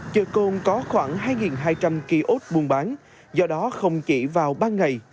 chợ côn có khoảng hai hai trăm linh kiosk buôn bán do đó không chỉ vào ban ngày